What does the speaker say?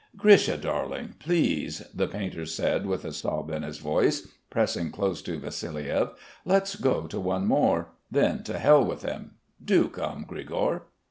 "Grisha darling, please," the painter said with a sob in his voice, pressing close to Vassiliev, "let's go to one more then to Hell with them. Do come, Grigor."